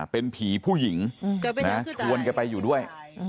เป็นผีผู้หญิงชวนแกไปอยู่ด้วย